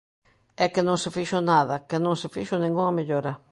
E que non se fixo nada, que non se fixo ningunha mellora.